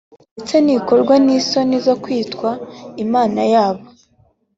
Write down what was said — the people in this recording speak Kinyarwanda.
ndetse ntikorwa n’isoni zo kwitwa Imana yabo